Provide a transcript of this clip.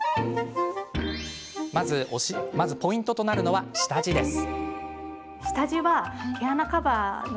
まずポイントとなるのは下地です。